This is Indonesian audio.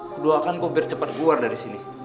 keduakan kok biar cepat keluar dari sini